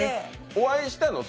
お会いしたの？